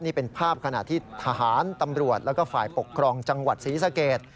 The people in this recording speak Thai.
นี่เป็นภาพขณะที่ทหารตำรวจแล้วก็ฝ่ายปกครองจังหวัดศรีสเกต